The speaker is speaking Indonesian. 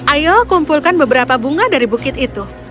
ayo kumpulkan beberapa bunga dari bukit itu